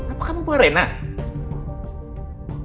apakah nama renai